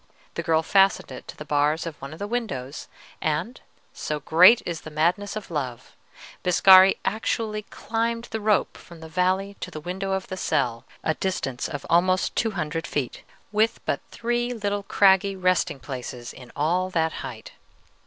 The girl fastened it to the bars of one of the windows, and so great is the madness of love Biscari actually climbed the rope from the valley to the window of the cell, a distance of almost two hundred feet, with but three little craggy resting places in all that height.